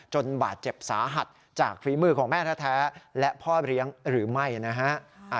บาดเจ็บสาหัสจากฝีมือของแม่แท้และพ่อเลี้ยงหรือไม่นะฮะ